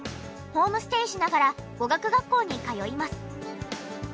ホームステイしながら語学学校に通います。